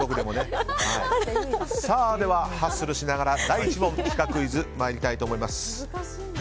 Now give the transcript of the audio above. では、ハッスルしながら第１問シカクイズ、参りたいと思います。